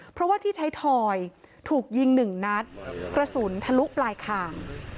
เพราะว่าที่ไทยทอยถูกยิงหนึ่งนัดกระสุนทะลุปลายคาง